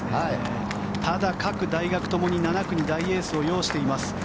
ただ、各大学ともに７区に大エースを擁しています。